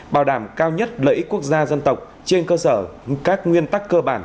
bảo đảm cao nhất lợi ích quốc gia dân tộc trên cơ sở các nguyên tắc cơ bản